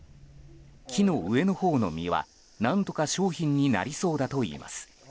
木の上のほうの実は、何とか商品になりそうだといいます。